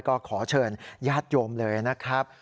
ก็ขอเชิญญาติโยมเลยนะครับ